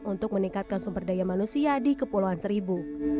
untuk meningkatkan sumber daya manusia di kepulauan seribu